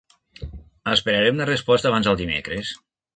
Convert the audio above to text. Esperaré una resposta abans del dimecres.